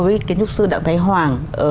với kiến trúc sư đặng thái hoàng ở